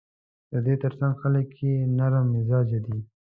د دې ترڅنګ خلک یې نرم مزاجه دي.